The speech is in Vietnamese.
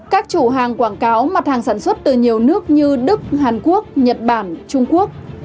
các chủ hàng quảng cáo mặt hàng sản xuất từ nhiều nước như đức hàn quốc nhật bản trung quốc